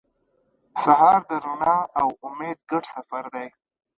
سهار د رڼا او امید ګډ سفر دی.